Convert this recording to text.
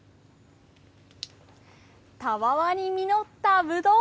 たわわに実ったぶどう。